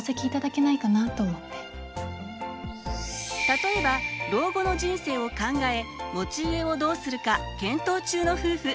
例えば老後の人生を考え持ち家をどうするか検討中の夫婦。